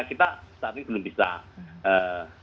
kita tetapi belum bisa mengetahui